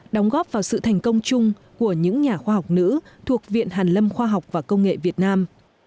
đóng góp vào sự thành công chung của những nhà khoa học nữ thuộc viện hàn lâm khoa học và công nghệ việt nam